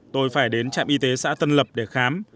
tôi phải đến trạm y tế xã tân lập để khám